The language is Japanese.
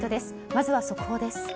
まずは速報です。